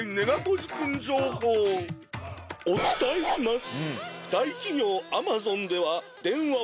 お伝えします。